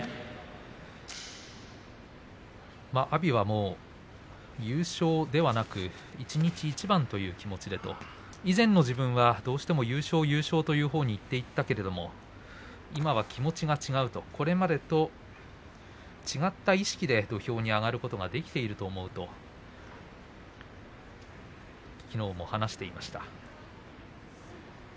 阿炎は優勝ではなく一日一番という気持ちで以前の自分は優勝優勝というほうにいっていたけれども今は気持ちが違うとこれまでと違った意識で土俵に上がることができていると思うときのうも話していました。